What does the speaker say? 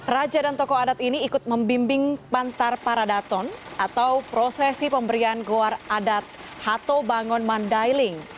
raja dan tokoh adat ini ikut membimbing bantar paradaton atau prosesi pemberian goar adat hato bangun mandailing